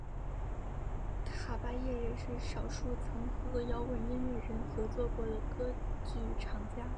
卡芭叶也是少数曾和摇滚音乐人合作过的歌剧唱家。